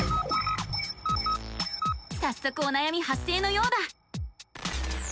さっそくおなやみ発生のようだ！